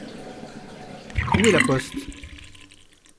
Où est la poste ?